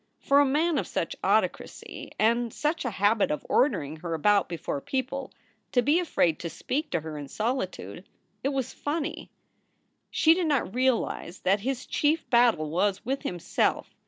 For a man of such autocracy and such a habit of ordering her about before people, to be afraid to speak to her in solitude it was funny. She did not realize that his chief battle was with, himself.